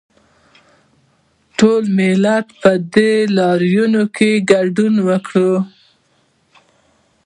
ټول ملت په دې لاریون کې ګډون وکړ